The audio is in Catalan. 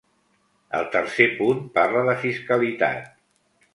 El tercer punt parla de fiscalitat.